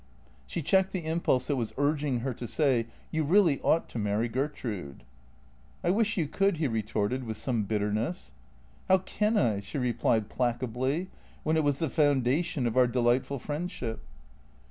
She checked the impulse that was urging her to say, " You really ought to marry Gertrude." " I wish you could," he retorted, with some bitterness. "How can I?" she replied placably, "when it was the foun dation of our delightful friendship